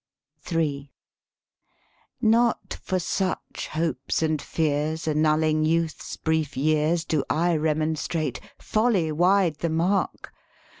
MS THE SPEAKING VOICE III Not for such hopes and fears Annulling youth's brief years, Do I remonstrate: folly wide the mark!